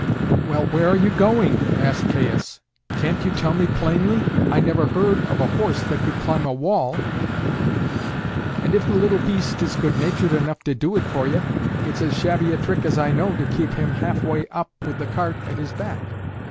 "Well, where are you going?" asked Caius. "Can't you tell me plainly? I never heard of a horse that could climb a wall." "And if the little beast is good natured enough to do it for ye, it's as shabby a trick as I know to keep him half way up with the cart at his back.